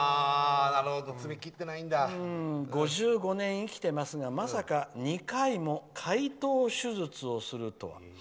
５５年生きてますがまさか、２回も開頭手術をするとは」。